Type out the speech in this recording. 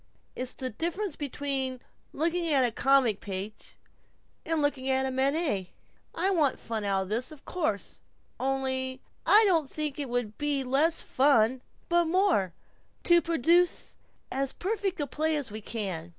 It's the difference between looking at the comic page and looking at Manet. I want fun out of this, of course. Only I don't think it would be less fun, but more, to produce as perfect a play as we can."